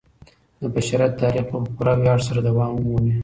د بشریت تاریخ به په پوره ویاړ سره دوام ومومي.